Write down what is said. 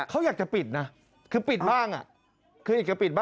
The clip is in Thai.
เขาอยากจะปิดนะคือปิดบ้างคืออยากจะปิดบ้าง